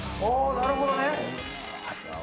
なるほどね。